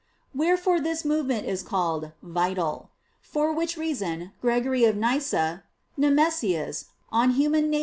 Wherefore this movement is called "vital." For which reason Gregory of Nyssa (Nemesius, De Nat.